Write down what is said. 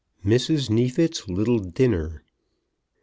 MRS. NEEFIT'S LITTLE DINNER.